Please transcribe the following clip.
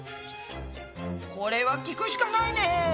これは聞くしかないね！